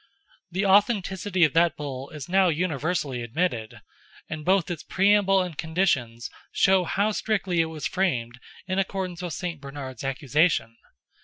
The authenticity of that Bull is now universally admitted; and both its preamble and conditions show how strictly it was framed in accordance with St. Bernard's accusation.